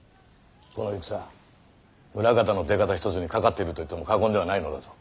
この戦ムラカタの出方一つにかかってるといっても過言ではないのだぞ。